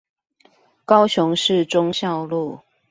高雄市忠孝路